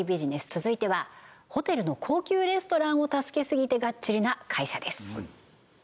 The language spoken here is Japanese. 続いてはホテルの高級レストランを助けてすぎてがっちりな会社です